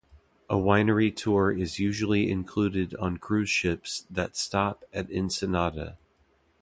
A winery tour is usually included on cruise ships that stop at Ensenada.